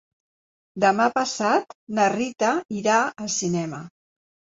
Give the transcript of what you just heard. Demà passat na Rita irà al cinema.